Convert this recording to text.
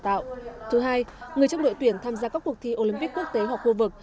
trường hợp thứ hai người trong đội tuyển tham gia các cuộc thi olympic quốc tế hoặc khu vực